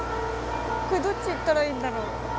これどっち行ったらいいんだろう？